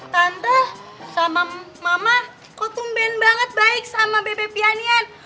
tante sama mama kau tuh ben banget baik sama bebe pianian